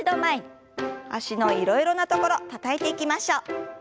脚のいろいろなところたたいていきましょう。